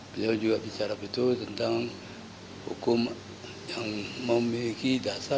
beliau juga bicara betul tentang hukum yang memiliki dasar